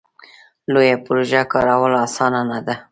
لویه پروژه کارول اسانه نه ده.